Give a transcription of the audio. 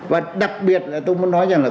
và đặc biệt là tôi muốn nói rằng là